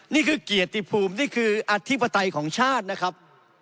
นี่คือเกียรติภูมินี่คืออธิปไตยของชาตินะครับ